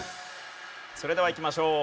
それではいきましょう。